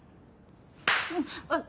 あっ！